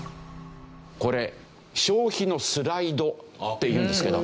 これ消費のスライドっていうんですけど。